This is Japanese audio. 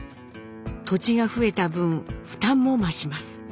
土地が増えた分負担も増します。